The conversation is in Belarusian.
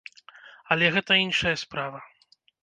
Але гэта іншая справа.